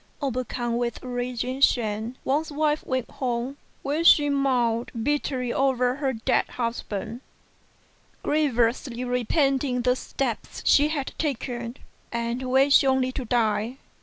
Overcome with rage and shame, Wang's wife went home, where she mourned bitterly over her dead husband, grievously repenting the steps she had taken, and wishing only to die.